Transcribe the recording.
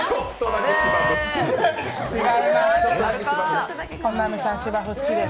違います。